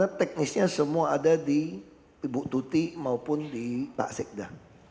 karena teknisnya semua ada di ibu tuti maupun di pak sekda